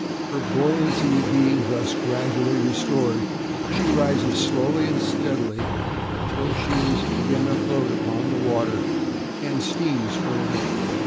Her buoyancy being thus gradually restored she rises slowly and steadily till she is again afloat upon the water, and steams for land.